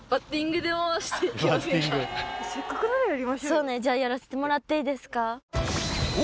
とそうねじゃあやらせてもらっていいですか？